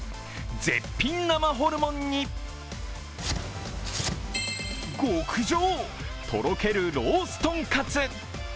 絶品生ホルモンに極上、とろけるロースとんかつ。